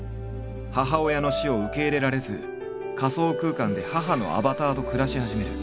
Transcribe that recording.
母親の死を受け入れられず仮想空間で母のアバターと暮らし始める。